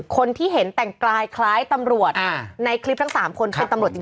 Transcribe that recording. คนที่เห็นแต่งกายคล้ายตำรวจในคลิปทั้ง๓คนเป็นตำรวจจริง